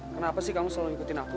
kenapa sih kamu selalu ngikutin aku